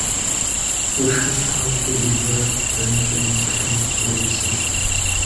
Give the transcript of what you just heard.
Къуршыщхьэм укъиувэрэ дэнэкӀэ умыплъэми, псори псыщ.